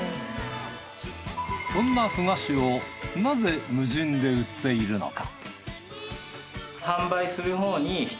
そんな麩菓子をなぜ無人で売っているのか？